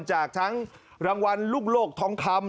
จากทั้งรางวัลลูกโลกทองคำ